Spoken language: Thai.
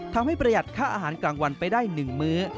ทำให้ประหยัดค่าอาหารกลางวันไปได้หนึ่งมื้อ